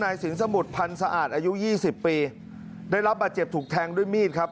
สินสมุทรพันธ์สะอาดอายุยี่สิบปีได้รับบาดเจ็บถูกแทงด้วยมีดครับ